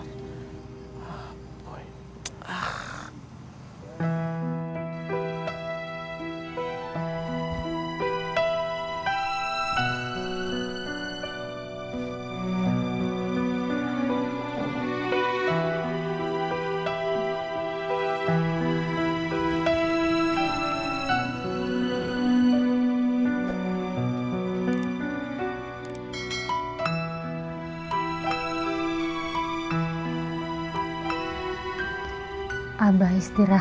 nanti aku akan bawa